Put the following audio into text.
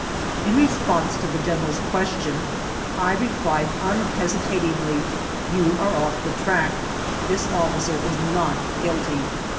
In response to the General's question I replied unhesi tatingly: "You are off the track; this officer is not guilty."